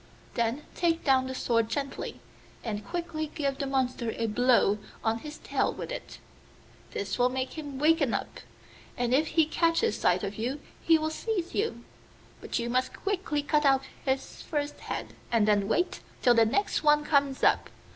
Then take down the sword gently, and quickly give the monster a blow on his tail with it. This will make him waken up, and if he catches sight of you he will seize you. But you must quickly cut off his first head, and then wait till the next one comes up.